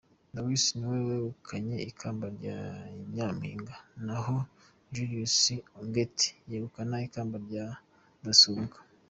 Luwize niwe wegukanye ikamba rya Nyampinga naho Jariyusi Ongeta yegukana ikamba rya Rudasumbwa.